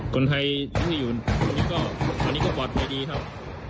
คนไทยที่อยู่อันนี้ก็ปลอดภัยดีครับ